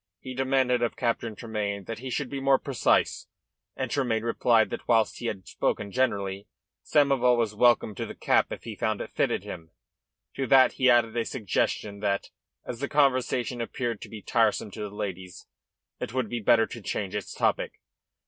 He demanded of Captain Tremayne that he should be more precise, and Tremayne replied that, whilst he had spoken generally, Samoval was welcome to the cap if he found it fitted him. To that he added a suggestion that, as the conversation appeared to be tiresome to the ladies, it would be better to change its topic.